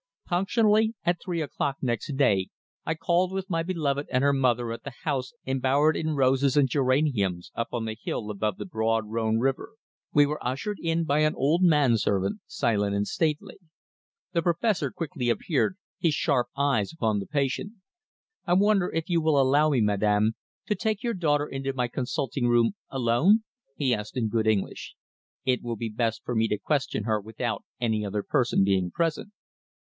Punctually at three o'clock next day I called with my beloved and her mother at the house embowered in roses and geraniums up on the hill above the broad Rhône river. We were ushered in by an old man servant, silent and stately. The Professor quickly appeared, his sharp eyes upon the patient. "I wonder if you will allow me, Madame, to take your daughter into my consulting room alone?" he asked in good English. "It will be best for me to question her without any other person being present."